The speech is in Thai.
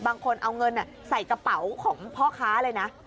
บางคนเอาเงินใส่กระเป๋าของพ่อค้าเลยนะ